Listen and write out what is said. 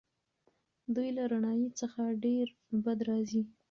دوی له رڼایي څخه ډېر بد راځي.